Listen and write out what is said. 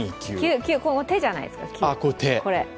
手じゃないですか？